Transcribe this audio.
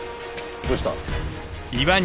どうした？